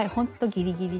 ギリギリ。